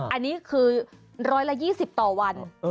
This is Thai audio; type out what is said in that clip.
อันนี้คือร้อยละ๒๐ต่อวัน